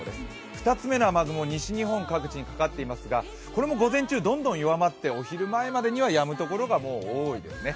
２つ目の雨雲、西日本の各地にかかっていますがこれも午前中、どんどん弱まって、お昼前までにはやむところが多いですね。